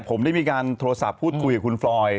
ผมได้มีการโทรศัพท์พูดคุยกับคุณฟรอย